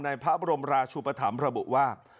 พระบรมราชุปธรรมระบุว่า